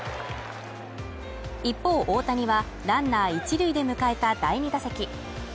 一方、大谷はランナー一塁で迎えた第２打席。